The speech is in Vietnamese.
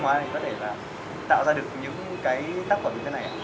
có thể tạo ra được những tác phẩm như thế này